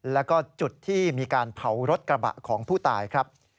แล้วก็จุดที่มีการเผารถกระบะของผู้ตายครับ